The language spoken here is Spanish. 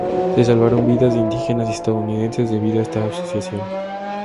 Se salvaron vidas de indígenas y estadounidenses debido a esta asociación".